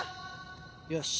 よし。